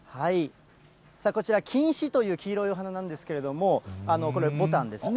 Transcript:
こちら、きんしという黄色いお花なんですけれども、これ、ぼたんですね。